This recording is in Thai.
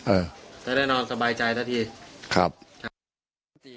เออคยได้นอนสบายใจซักที